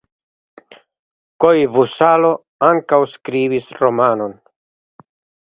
Koivusalo ankaŭ skribis romanon.